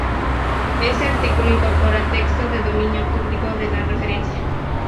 Este artículo incorpora texto de dominio público de la referencia